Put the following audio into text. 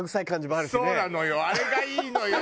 あれがいいのよ！